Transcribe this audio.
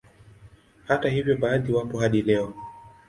Hata hivyo baadhi wapo hadi leo